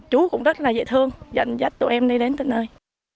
chú cũng rất là dễ thương dẫn dắt tụi em đi đến tận nơi